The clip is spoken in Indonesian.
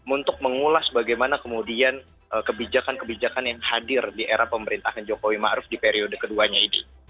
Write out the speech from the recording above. untuk mengulas bagaimana kemudian kebijakan kebijakan yang hadir di era pemerintahan jokowi ⁇ maruf ⁇ di periode keduanya ini